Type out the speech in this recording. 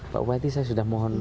pak bupati saya sudah mohon